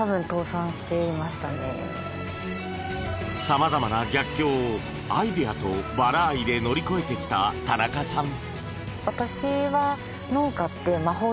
様々な逆境をアイデアとバラ愛で乗り越えてきた、田中さん。